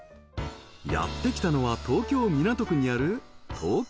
やって来たのは東京・港区にある東京